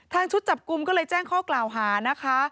ชุดจับกลุ่มก็เลยแจ้งข้อกล่าวหานะคะ